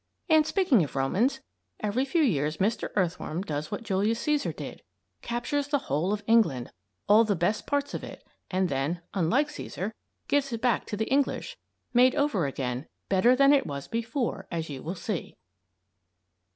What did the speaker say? And, speaking of Romans, every few years Mr. Earthworm does what Julius Cæsar did, captures the whole of England all the best parts of it and then, unlike Cæsar, gives it back to the English, made over again, better than it was before, as you will see.